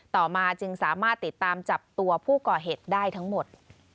ต่อมาจึงสามารถติดตามจับตัวผู้ก่อเหตุได้ทั้งหมด